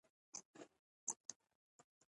انا له لمونځ وروسته دعا کوي